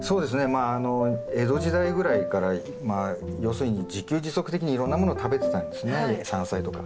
まああの江戸時代ぐらいからまあ要するに自給自足的にいろんなもの食べてたんですね山菜とか。